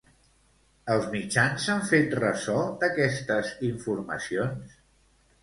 Els mitjans s'han fet ressò d'aquestes informacions?